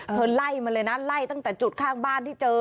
ไล่มาเลยนะไล่ตั้งแต่จุดข้างบ้านที่เจอ